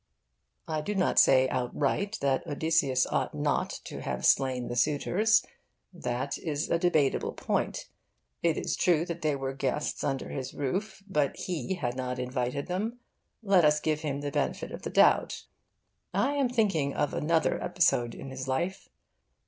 I do not say outright that Odysseus ought not to have slain the suitors. That is a debatable point. It is true that they were guests under his roof. But he had not invited them. Let us give him the benefit of the doubt. I am thinking of another episode in his life.